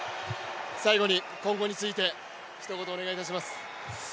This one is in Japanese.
最後に今後についてひと言お願いいたします。